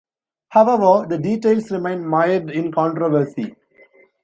However, the details remain mired in controversy.